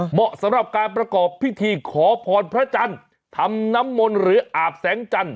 เหมาะสำหรับการประกอบพิธีขอพรพระจันทร์ทำน้ำมนต์หรืออาบแสงจันท